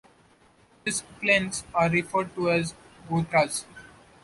These clans are referred to as gotras.